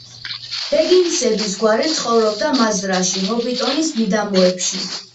ბეგინსების გვარი ცხოვრობდა მაზრაში, ჰობიტონის მიდამოებში.